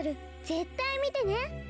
ぜったいみてね。